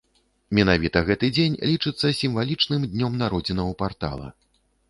Менавіта гэты дзень лічыцца сімвалічным днём народзінаў партала.